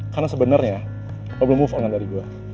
karena sebenernya lo belum move on dari gue